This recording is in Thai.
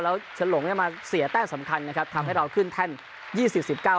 แล้วฉลงเนี่ยมาเสียแต้มสำคัญนะครับทำให้เราขึ้นแท่นยี่สิบสิบเก้า